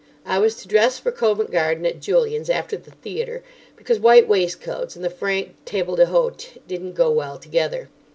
I was to dress for Covent Garden at Julian's after the theatre, because white waistcoats and the franc table d'hôte didn't go well together.